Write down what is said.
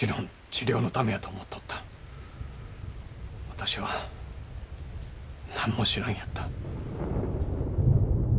私はなんも知らんやった。